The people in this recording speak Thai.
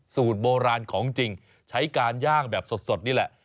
สูตรโบราณของจริงใช้การย่างแบบสดนี่แหละ